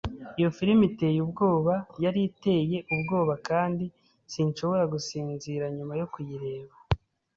Iyo firime iteye ubwoba yari iteye ubwoba kandi sinshobora gusinzira nyuma yo kuyireba.